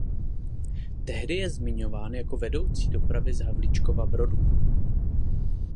Tehdy je zmiňován jako vedoucí dopravy z Havlíčkova Brodu.